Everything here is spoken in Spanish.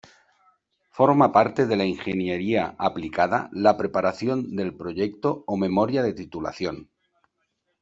Forma parte de la Ingeniería Aplicada la preparación del proyecto o memoria de titulación.